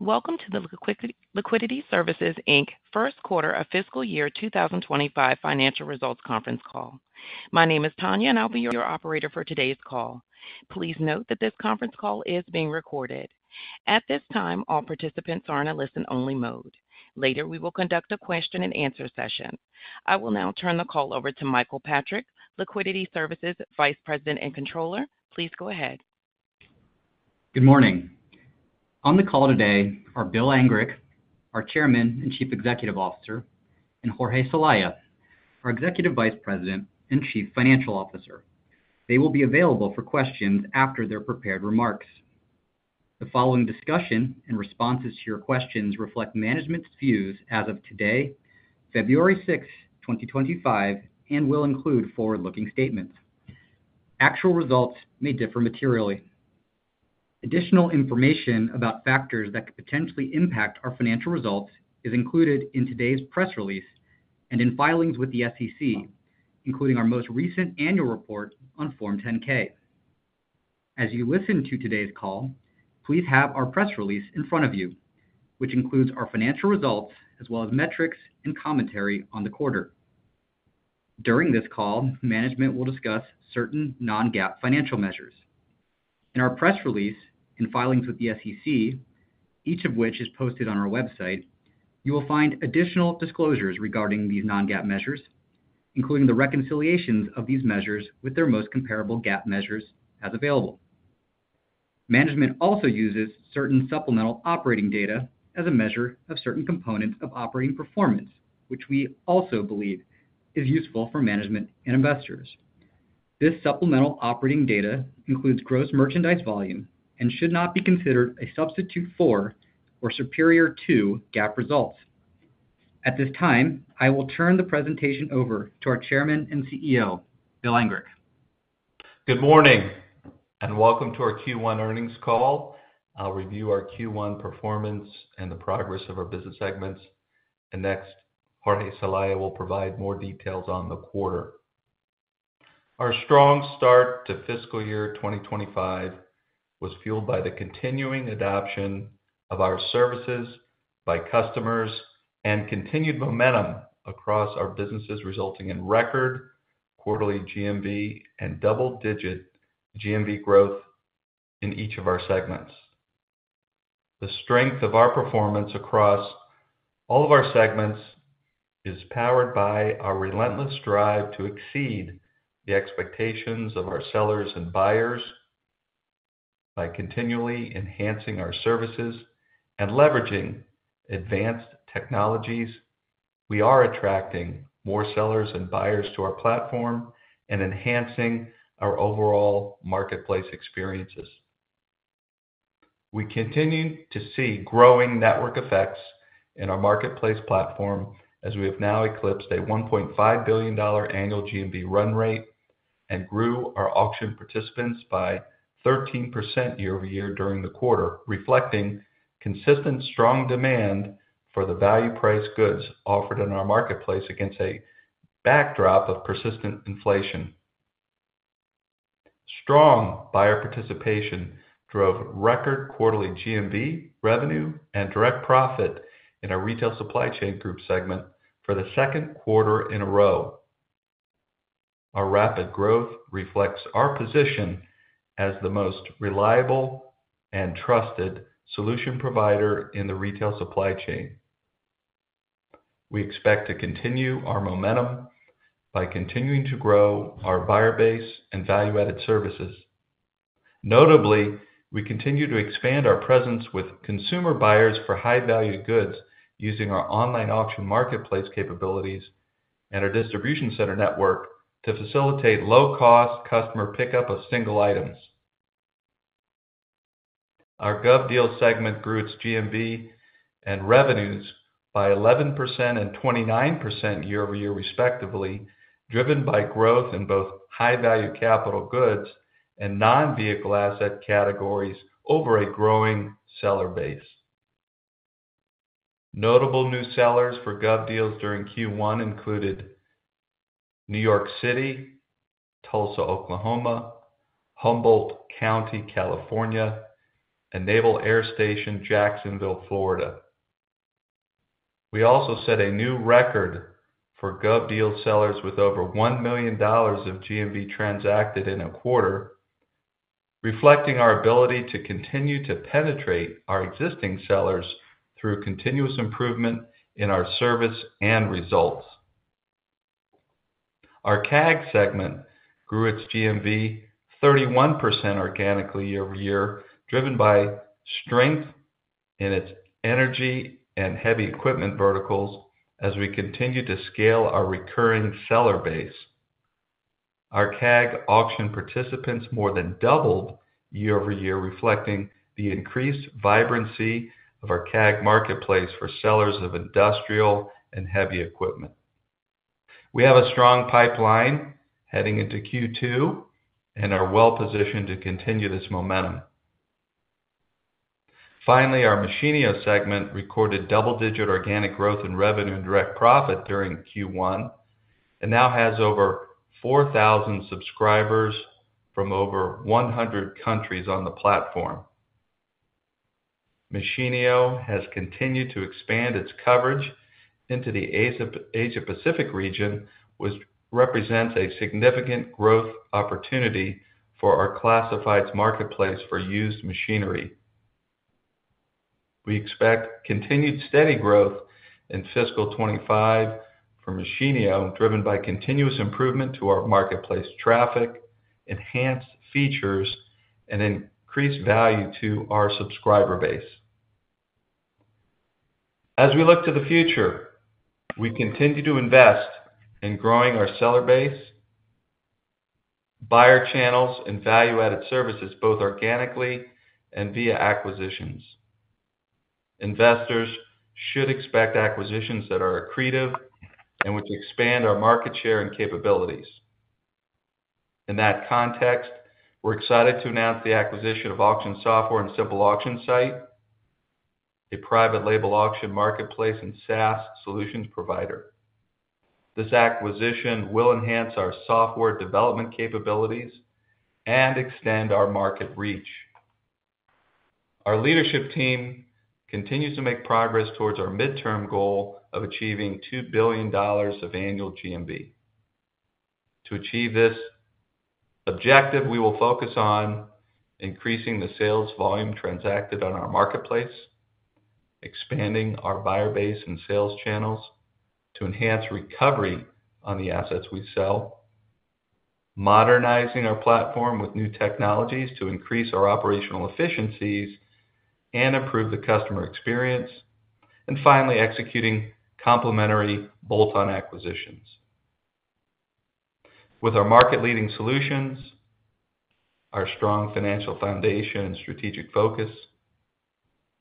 Welcome to the Liquidity Services, Inc. first quarter of fiscal year 2025 financial results conference call. My name is Tanya, and I'll be your operator for today's call. Please note that this conference call is being recorded. At this time, all participants are in a listen-only mode. Later, we will conduct a question-and-answer session. I will now turn the call over to Michael Patrick, Liquidity Services Vice President and Controller. Please go ahead. Good morning. On the call today are Bill Angrick, our Chairman and Chief Executive Officer, and Jorge Celaya, our Executive Vice President and Chief Financial Officer. They will be available for questions after their prepared remarks. The following discussion and responses to your questions reflect management's views as of today, February 6, 2025, and will include forward-looking statements. Actual results may differ materially. Additional information about factors that could potentially impact our financial results is included in today's press release and in filings with the SEC, including our most recent annual report on Form 10-K. As you listen to today's call, please have our press release in front of you, which includes our financial results as well as metrics and commentary on the quarter. During this call, management will discuss certain non-GAAP financial measures. In our press release and filings with the SEC, each of which is posted on our website, you will find additional disclosures regarding these non-GAAP measures, including the reconciliations of these measures with their most comparable GAAP measures as available. Management also uses certain supplemental operating data as a measure of certain components of operating performance, which we also believe is useful for management and investors. This supplemental operating data includes gross merchandise volume and should not be considered a substitute for or superior to GAAP results. At this time, I will turn the presentation over to our Chairman and CEO, Bill Angrick. Good morning and welcome to our Q1 earnings call. I'll review our Q1 performance and the progress of our business segments, and next, Jorge Celaya will provide more details on the quarter. Our strong start to fiscal year 2025 was fueled by the continuing adoption of our services by customers and continued momentum across our businesses, resulting in record quarterly GMV and double-digit GMV growth in each of our segments. The strength of our performance across all of our segments is powered by our relentless drive to exceed the expectations of our sellers and buyers by continually enhancing our services and leveraging advanced technologies. We are attracting more sellers and buyers to our platform and enhancing our overall marketplace experiences. We continue to see growing network effects in our marketplace platform as we have now eclipsed a $1.5 billion annual GMV run rate and grew our auction participants by 13% year-over-year during the quarter, reflecting consistent strong demand for the value price goods offered in our marketplace against a backdrop of persistent inflation. Strong buyer participation drove record quarterly GMV revenue and Direct Profit in our Retail Supply Chain Group segment for the second quarter in a row. Our rapid growth reflects our position as the most reliable and trusted solution provider in the retail supply chain. We expect to continue our momentum by continuing to grow our buyer base and value-added services. Notably, we continue to expand our presence with consumer buyers for high-value goods using our online auction marketplace capabilities and our distribution center network to facilitate low-cost customer pickup of single items. Our GovDeals segment grew its GMV and revenues by 11% and 29% year-over-year, respectively, driven by growth in both high-value capital goods and non-vehicle asset categories over a growing seller base. Notable new sellers for GovDeals during Q1 included New York City, Tulsa, Oklahoma, Humboldt County, California, and Naval Air Station, Jacksonville, Florida. We also set a new record for GovDeals sellers with over $1 million of GMV transacted in a quarter, reflecting our ability to continue to penetrate our existing sellers through continuous improvement in our service and results. Our CAG segment grew its GMV 31% organically year-over-year, driven by strength in its energy and heavy equipment verticals as we continue to scale our recurring seller base. Our CAG auction participants more than doubled year-over-year, reflecting the increased vibrancy of our CAG marketplace for sellers of industrial and heavy equipment. We have a strong pipeline heading into Q2 and are well-positioned to continue this momentum. Finally, our Machinio segment recorded double-digit organic growth in revenue and direct profit during Q1 and now has over 4,000 subscribers from over 100 countries on the platform. Machinio has continued to expand its coverage into the Asia-Pacific region, which represents a significant growth opportunity for our classifieds marketplace for used machinery. We expect continued steady growth in fiscal 2025 for Machinio driven by continuous improvement to our marketplace traffic, enhanced features, and increased value to our subscriber base. As we look to the future, we continue to invest in growing our seller base, buyer channels, and value-added services both organically and via acquisitions. Investors should expect acquisitions that are accretive and which expand our market share and capabilities. In that context, we're excited to announce the acquisition of Auction Software and Simple Auction Site, a private label auction marketplace and SaaS solutions provider. This acquisition will enhance our software development capabilities and extend our market reach. Our leadership team continues to make progress towards our midterm goal of achieving $2 billion of annual GMV. To achieve this objective, we will focus on increasing the sales volume transacted on our marketplace, expanding our buyer base and sales channels to enhance recovery on the assets we sell, modernizing our platform with new technologies to increase our operational efficiencies and improve the customer experience, and finally, executing complementary bolt-on acquisitions. With our market-leading solutions, our strong financial foundation, and strategic focus,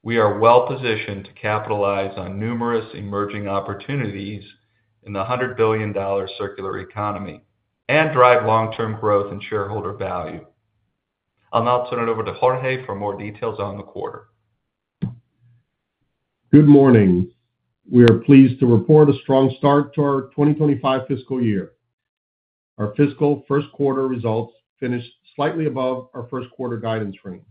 we are well-positioned to capitalize on numerous emerging opportunities in the $100 billion circular economy and drive long-term growth and shareholder value. I'll now turn it over to Jorge for more details on the quarter. Good morning. We are pleased to report a strong start to our 2025 fiscal year. Our fiscal first quarter results finished slightly above our first quarter guidance range.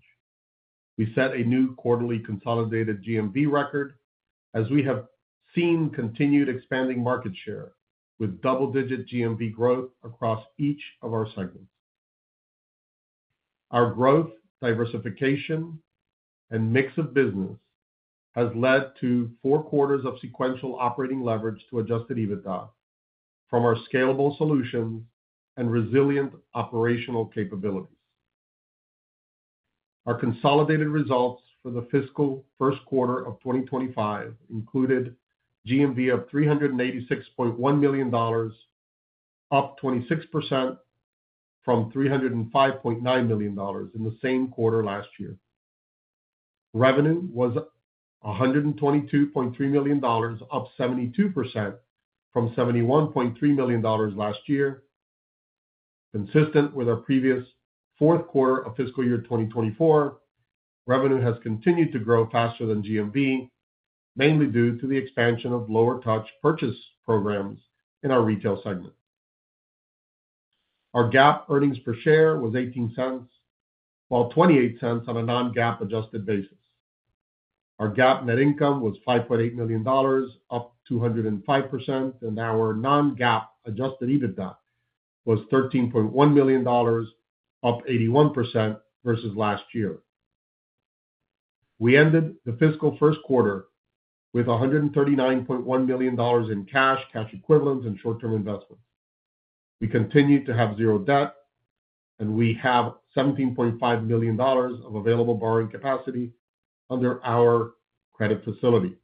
We set a new quarterly consolidated GMV record as we have seen continued expanding market share with double-digit GMV growth across each of our segments. Our growth, diversification, and mix of business has led to four quarters of sequential operating leverage to adjusted EBITDA from our scalable solutions and resilient operational capabilities. Our consolidated results for the fiscal first quarter of 2025 included GMV of $386.1 million, up 26% from $305.9 million in the same quarter last year. Revenue was $122.3 million, up 72% from $71.3 million last year. Consistent with our previous fourth quarter of fiscal year 2024, revenue has continued to grow faster than GMV, mainly due to the expansion of lower-touch purchase programs in our retail segment. Our GAAP earnings per share was $0.18, while $0.28 on a non-GAAP adjusted basis. Our GAAP net income was $5.8 million, up 205%, and our non-GAAP adjusted EBITDA was $13.1 million, up 81% versus last year. We ended the fiscal first quarter with $139.1 million in cash, cash equivalents, and short-term investments. We continue to have zero debt, and we have $17.5 million of available borrowing capacity under our credit facility.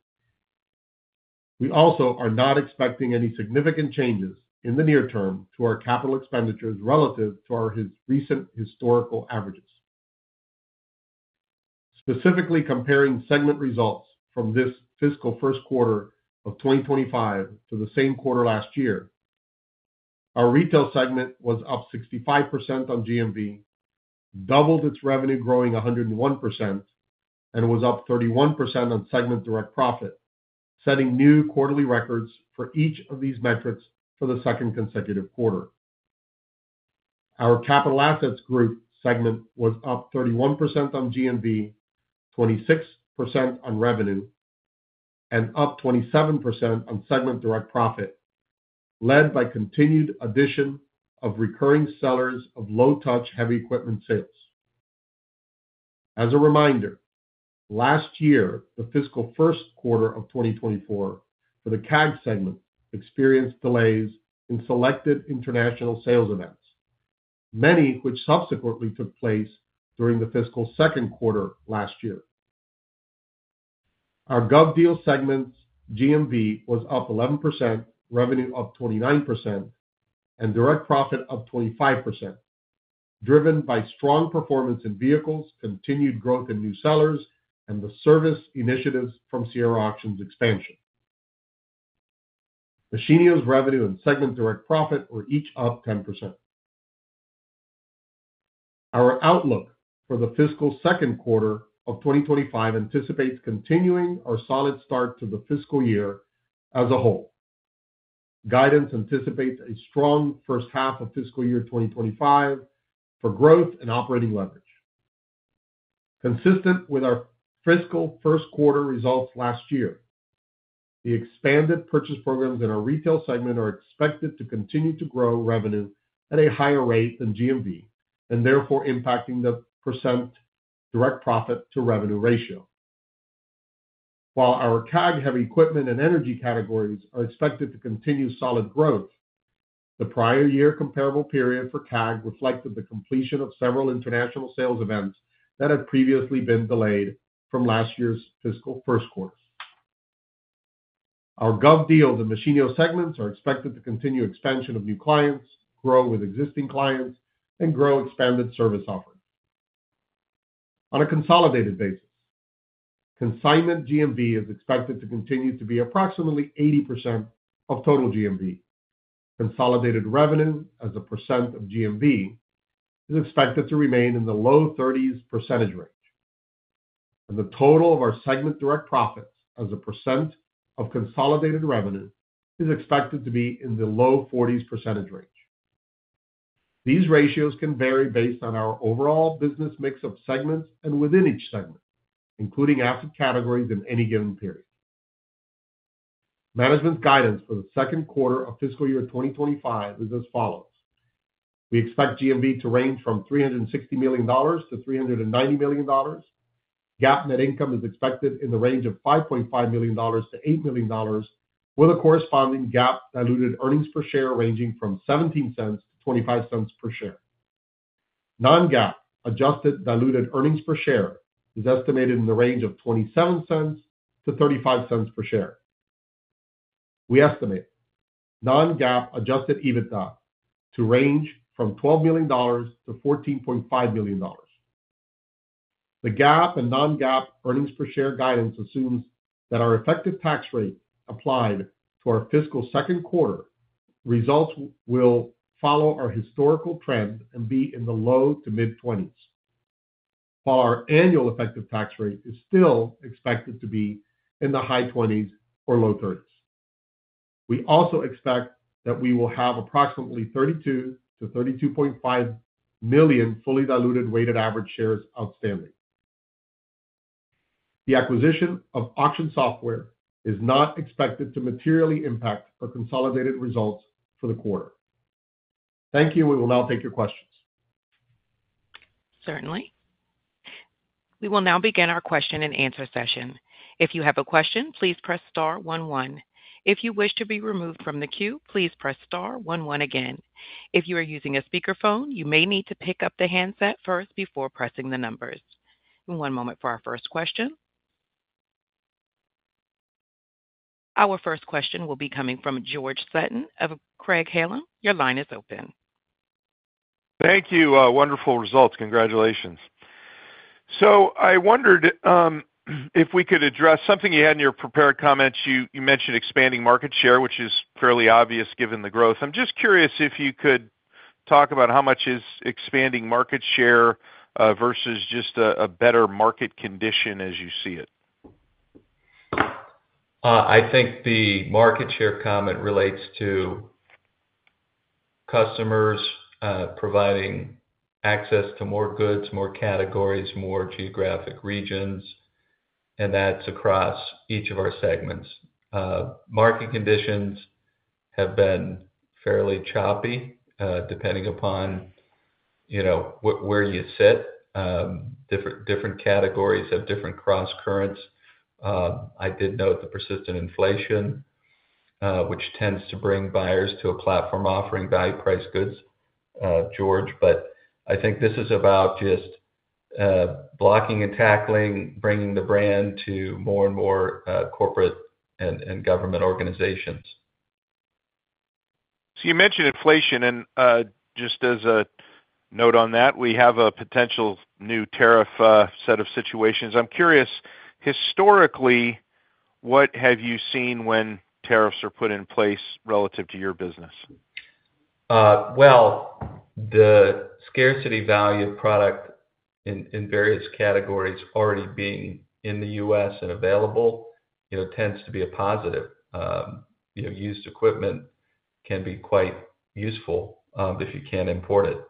We also are not expecting any significant changes in the near term to our capital expenditures relative to our recent historical averages. Specifically comparing segment results from this fiscal first quarter of 2025 to the same quarter last year, our retail segment was up 65% on GMV, doubled its revenue growing 101%, and was up 31% on segment direct profit, setting new quarterly records for each of these metrics for the second consecutive quarter. Our Capital Assets Group segment was up 31% on GMV, 26% on revenue, and up 27% on segment direct profit, led by continued addition of recurring sellers of low-touch heavy equipment sales. As a reminder, last year, the fiscal first quarter of 2024 for the CAG segment experienced delays in selected international sales events, many which subsequently took place during the fiscal second quarter last year. Our GovDeals segment's GMV was up 11%, revenue up 29%, and direct profit up 25%, driven by strong performance in vehicles, continued growth in new sellers, and the service initiatives from Sierra Auction expansion. Machine's revenue and segment direct profit were each up 10%. Our outlook for the fiscal second quarter of 2025 anticipates continuing our solid start to the fiscal year as a whole. Guidance anticipates a strong first half of fiscal year 2025 for growth and operating leverage. Consistent with our fiscal first quarter results last year, the expanded purchase programs in our retail segment are expected to continue to grow revenue at a higher rate than GMV and therefore impacting the percent direct profit to revenue ratio. While our CAG heavy equipment and energy categories are expected to continue solid growth, the prior year comparable period for CAG reflected the completion of several international sales events that had previously been delayed from last year's fiscal first quarter. Our GovDeals and Machinio segments are expected to continue expansion of new clients, grow with existing clients, and grow expanded service offerings on a consolidated basis. Consignment GMV is expected to continue to be approximately 80% of total GMV. Consolidated revenue as a % of GMV is expected to remain in the low 30s % range, and the total of our segment direct profits as a % of consolidated revenue is expected to be in the low 40s % range. These ratios can vary based on our overall business mix of segments and within each segment, including asset categories in any given period. Management's guidance for the second quarter of fiscal year 2025 is as follows. We expect GMV to range from $360 million to $390 million. GAAP net income is expected in the range of $5.5 million to $8 million, with a corresponding GAAP diluted earnings per share ranging from $0.17 to $0.25 per share. Non-GAAP adjusted diluted earnings per share is estimated in the range of $0.27 to $0.35 per share. We estimate non-GAAP adjusted EBITDA to range from $12 million to $14.5 million. The GAAP and non-GAAP earnings per share guidance assumes that our effective tax rate applied to our fiscal second quarter results will follow our historical trend and be in the low- to mid-20s%, while our annual effective tax rate is still expected to be in the high 20s% or low 30s%. We also expect that we will have approximately 32-32.5 million fully diluted weighted average shares outstanding. The acquisition of Auction Software is not expected to materially impact our consolidated results for the quarter. Thank you, and we will now take your questions. Certainly. We will now begin our question and answer session. If you have a question, please press star 11. If you wish to be removed from the queue, please press star 11 again. If you are using a speakerphone, you may need to pick up the handset first before pressing the numbers. One moment for our first question. Our first question will be coming from George Sutton of Craig-Hallum. Your line is open. Thank you. Wonderful results. Congratulations. So I wondered if we could address something you had in your prepared comments. You mentioned expanding market share, which is fairly obvious given the growth. I'm just curious if you could talk about how much is expanding market share versus just a better market condition as you see it. I think the market share comment relates to customers providing access to more goods, more categories, more geographic regions, and that's across each of our segments. Market conditions have been fairly choppy depending upon where you sit, different categories of different cross currents. I did note the persistent inflation, which tends to bring buyers to a platform offering value-priced goods, George, but I think this is about just blocking and tackling, bringing the brand to more and more corporate and government organizations. So you mentioned inflation, and just as a note on that, we have a potential new tariff set of situations. I'm curious, historically, what have you seen when tariffs are put in place relative to your business? The scarcity value of product in various categories already being in the US and available tends to be a positive. Used equipment can be quite useful if you can't import it.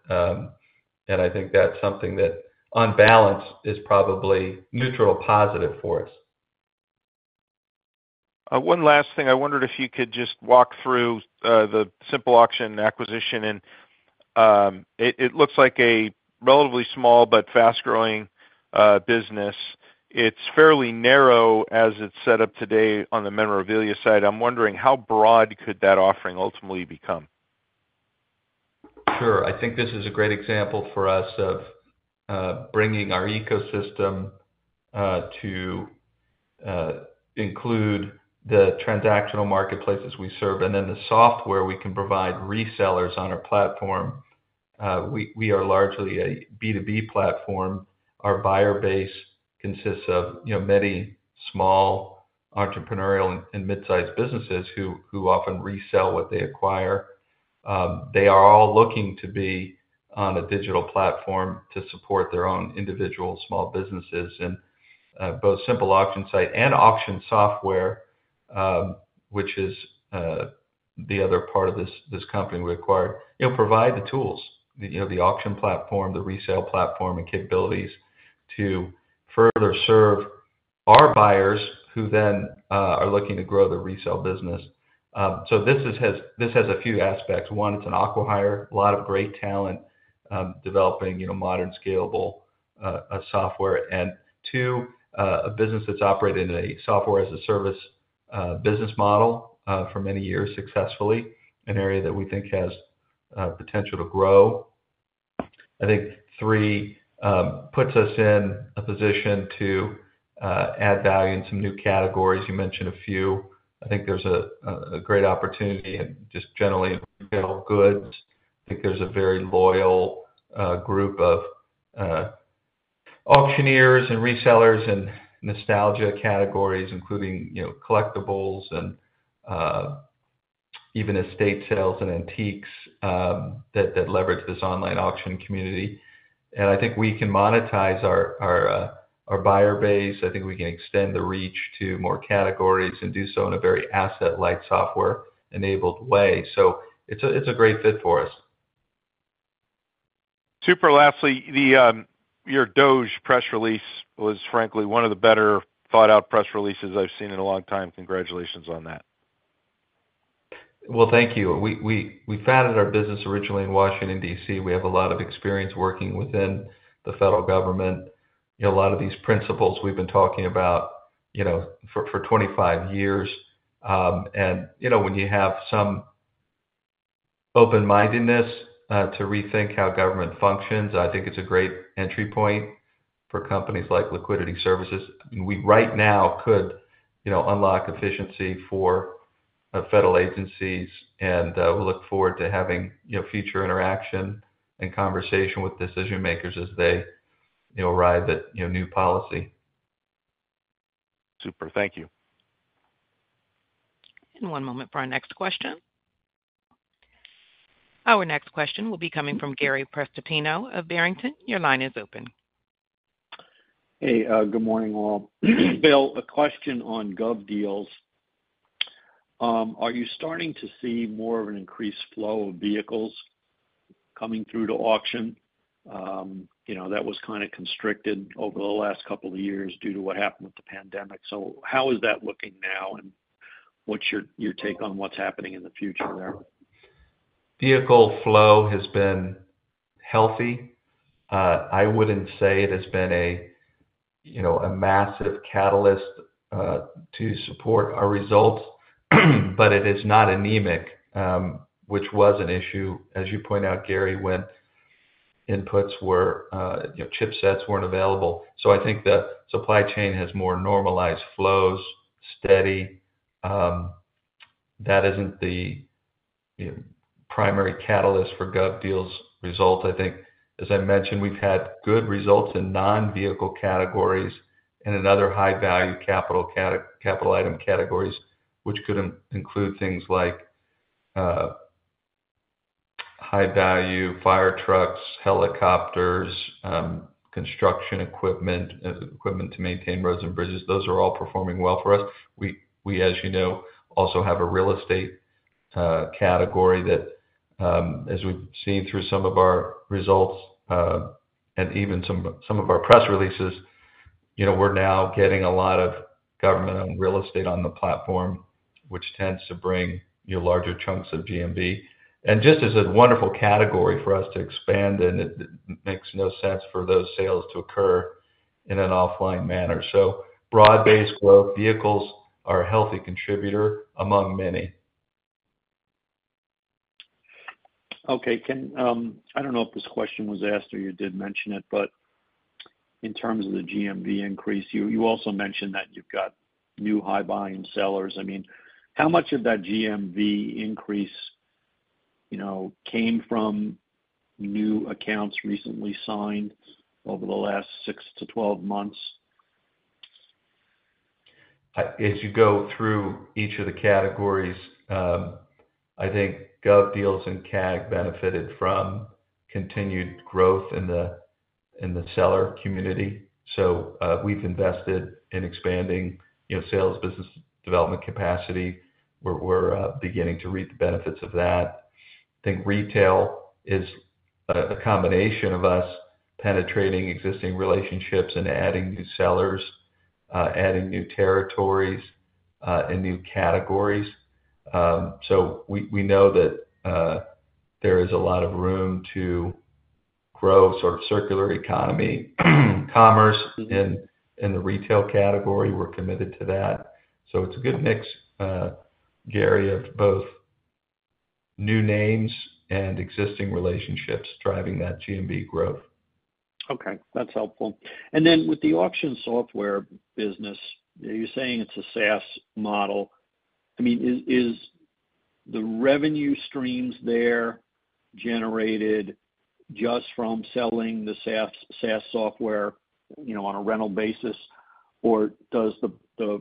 I think that's something that, on balance, is probably neutral positive for us. One last thing. I wondered if you could just walk through the Simple Auction acquisition, and it looks like a relatively small but fast-growing business. It's fairly narrow as it's set up today on the memorabilia side. I'm wondering how broad could that offering ultimately become? Sure. I think this is a great example for us of bringing our ecosystem to include the transactional marketplaces we serve, and then the software we can provide resellers on our platform. We are largely a B2B platform. Our buyer base consists of many small entrepreneurial and mid-sized businesses who often resell what they acquire. They are all looking to be on a digital platform to support their own individual small businesses. And both Simple Auction Site and Auction Software, which is the other part of this company we acquired, provide the tools, the auction platform, the resale platform, and capabilities to further serve our buyers who then are looking to grow the resale business. So this has a few aspects. One, it's an acqui-hire, a lot of great talent developing modern, scalable software. And two, a business that's operated in a software-as-a-service business model for many years successfully, an area that we think has potential to grow. I think three puts us in a position to add value in some new categories. You mentioned a few. I think there's a great opportunity in just generally goods. I think there's a very loyal group of auctioneers and resellers and nostalgia categories, including collectibles and even estate sales and antiques that leverage this online auction community. And I think we can monetize our buyer base. I think we can extend the reach to more categories and do so in a very asset-light software-enabled way. So it's a great fit for us. Super. Lastly, your DOGE press release was, frankly, one of the better thought-out press releases I've seen in a long time. Congratulations on that. Thank you. We founded our business originally in Washington, D.C. We have a lot of experience working within the federal government. A lot of these principles we've been talking about for 25 years. And when you have some open-mindedness to rethink how government functions, I think it's a great entry point for companies like Liquidity Services. Right now could unlock efficiency for federal agencies, and we look forward to having future interaction and conversation with decision-makers as they arrive at new policy. Super. Thank you. One moment for our next question. Our next question will be coming from Gary Prestopino of Barrington. Your line is open. Hey, good morning, Bill. Bill, a question on GovDeals. Are you starting to see more of an increased flow of vehicles coming through to auction? That was kind of constricted over the last couple of years due to what happened with the pandemic. So how is that looking now, and what's your take on what's happening in the future there? Vehicle flow has been healthy. I wouldn't say it has been a massive catalyst to support our results, but it is not anemic, which was an issue, as you point out, Gary, when inputs were, chipsets weren't available. So I think the supply chain has more normalized flows, steady. That isn't the primary catalyst for GovDeals results. I think, as I mentioned, we've had good results in non-vehicle categories and in other high-value capital item categories, which could include things like high-value fire trucks, helicopters, construction equipment, equipment to maintain roads and bridges. Those are all performing well for us. We, as you know, also have a real estate category that, as we've seen through some of our results and even some of our press releases, we're now getting a lot of government-owned real estate on the platform, which tends to bring larger chunks of GMV. Just as a wonderful category for us to expand in, it makes no sense for those sales to occur in an offline manner. Broad-based growth vehicles are a healthy contributor among many. Okay. I don't know if this question was asked or you did mention it, but in terms of the GMV increase, you also mentioned that you've got new high-volume sellers. I mean, how much of that GMV increase came from new accounts recently signed over the last six to 12 months? As you go through each of the categories, I think GovDeals and CAG benefited from continued growth in the seller community. So we've invested in expanding sales business development capacity. We're beginning to reap the benefits of that. I think retail is a combination of us penetrating existing relationships and adding new sellers, adding new territories, and new categories. So we know that there is a lot of room to grow sort of circular economy, commerce in the retail category. We're committed to that. So it's a good mix, Gary, of both new names and existing relationships driving that GMV growth. Okay. That's helpful. And then with the Auction Software business, you're saying it's a SaaS model. I mean, is the revenue streams there generated just from selling the SaaS software on a rental basis, or does the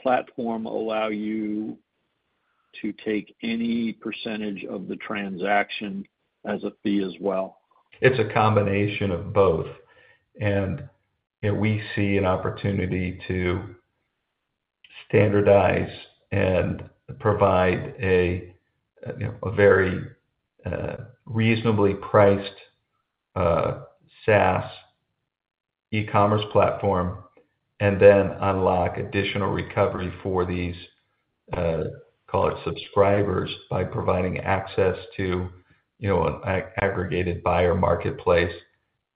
platform allow you to take any percentage of the transaction as a fee as well? It's a combination of both. And we see an opportunity to standardize and provide a very reasonably priced SaaS e-commerce platform and then unlock additional recovery for these, call it, subscribers by providing access to an aggregated buyer marketplace.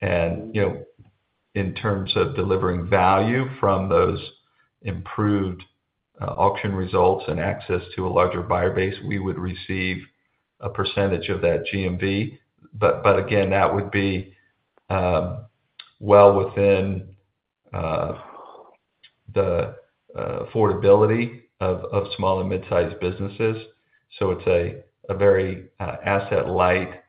And in terms of delivering value from those improved auction results and access to a larger buyer base, we would receive a percentage of that GMV. But again, that would be well within the affordability of small and mid-sized businesses. So it's a very asset-light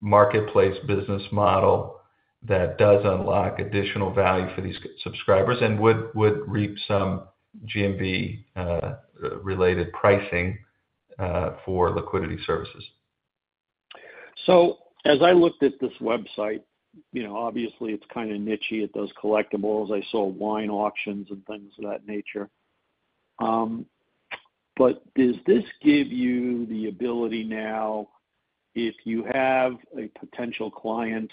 marketplace business model that does unlock additional value for these subscribers and would reap some GMV-related pricing for Liquidity Services. As I looked at this website, obviously, it's kind of niche. It does collectibles. I saw wine auctions and things of that nature. But does this give you the ability now, if you have a potential client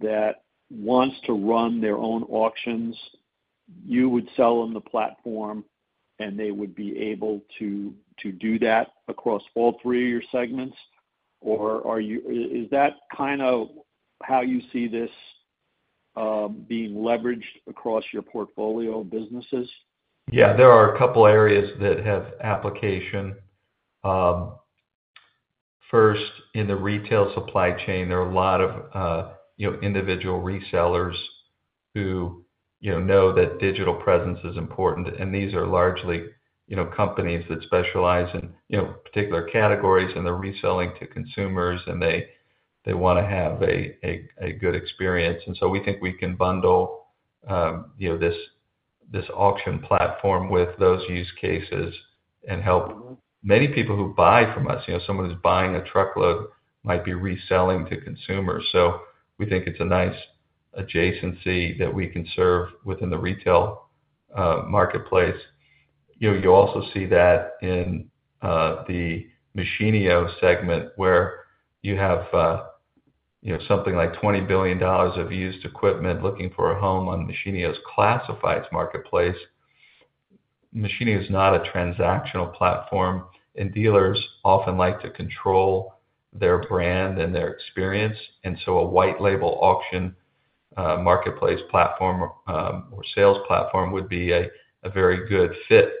that wants to run their own auctions, you would sell them the platform, and they would be able to do that across all three of your segments? Or is that kind of how you see this being leveraged across your portfolio of businesses? Yeah. There are a couple of areas that have application. First, in the retail supply chain, there are a lot of individual resellers who know that digital presence is important, and these are largely companies that specialize in particular categories, and they're reselling to consumers, and they want to have a good experience, and so we think we can bundle this auction platform with those use cases and help many people who buy from us. Someone who's buying a truckload might be reselling to consumers, so we think it's a nice adjacency that we can serve within the retail marketplace. You also see that in the Machinio segment, where you have something like $20 billion of used equipment looking for a home on Machinio's classifieds marketplace. Machinio is not a transactional platform, and dealers often like to control their brand and their experience. And so a white-label auction marketplace platform or sales platform would be a very good fit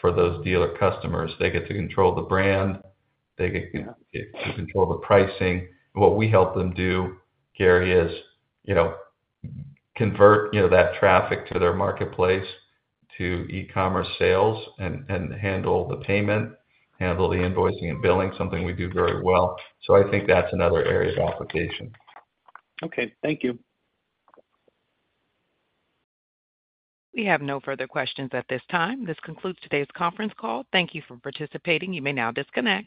for those dealer customers. They get to control the brand. They get to control the pricing. What we help them do, Gary, is convert that traffic to their marketplace to e-commerce sales and handle the payment, handle the invoicing and billing, something we do very well. So I think that's another area of application. Okay. Thank you. We have no further questions at this time. This concludes today's conference call. Thank you for participating. You may now disconnect.